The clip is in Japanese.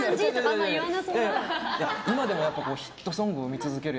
今でもヒットソングを生み続ける